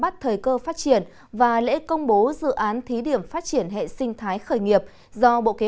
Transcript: bắt thời cơ phát triển và lễ công bố dự án thí điểm phát triển hệ sinh thái khởi nghiệp do bộ kế